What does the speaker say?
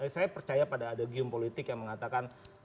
saya percaya pada ada gium politik yang mengatakan